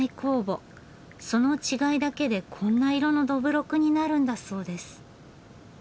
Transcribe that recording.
その違いだけでこんな色のどぶろくになるんだそうです。